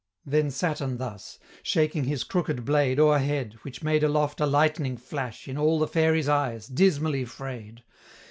Then Saturn thus: shaking his crooked blade O'erhead, which made aloft a lightning flash In all the fairies' eyes, dismally fray'd!